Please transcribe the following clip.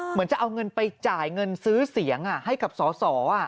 เหมือนจะเอาเงินไปจ่ายเงินซื้อเสียงให้กับสอสอ